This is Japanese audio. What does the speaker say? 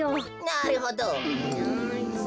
なるほど。